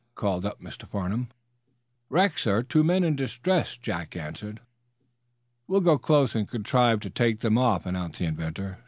called up Mr. Farnum. "Wreck, sir. Two men in distress," Jack answered. "We'll go close and contrive to take them off," announced the inventor.